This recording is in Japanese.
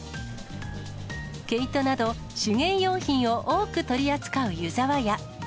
毛糸など、手芸用品を多く取り扱うユザワヤ。